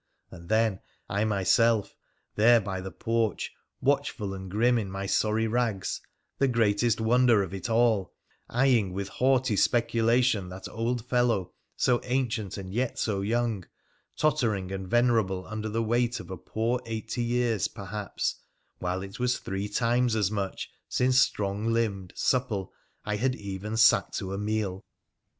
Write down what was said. And then I myself, there by the poi ch, watchful and grim, in my sorry rags, the greatest wonder of it all, eyeing with haughty speculation that old fellow, so ancient and yet so young, tottering and venerable under the weight of a poor eighty years, perhaps, while it was three times as much since strong limbed, supple I had even sat to a meal